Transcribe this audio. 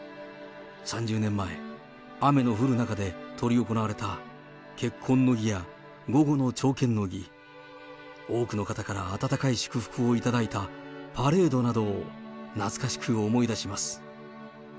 ３０年前、雨の降る中で執り行われた結婚の儀や、午後の朝見の儀、多くの方から温かい祝福を頂いたパレードなどを、懐かしく思い出します。